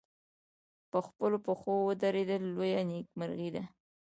په خپلو پښو ودرېدل لویه نېکمرغي ده.